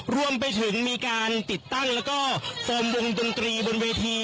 รวมไปถึงมีการติดตั้งแล้วก็โฟมวงดนตรีบนเวที